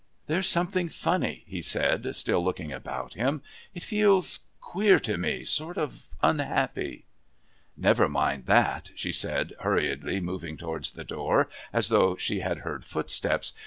"There's something funny," he said, still looking about him. "It feels queer to me sort of unhappy." "Never mind that," she said, hurriedly moving towards the door, as though she had heard footsteps.